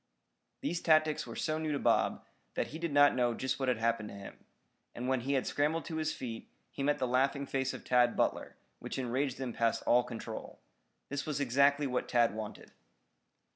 These tactics were so new to Bob, that he did not know just what had happened to him. And when he had scrambled to his feet, he met the laughing face of Tad Butler, which enraged him past all control. This was exactly what Tad wanted.